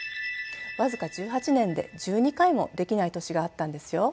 僅か１８年で１２回もできない年があったんですよ。